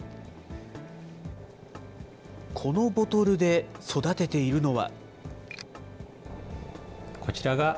このボトルで育てているのは。